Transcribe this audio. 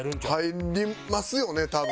入りますよね多分。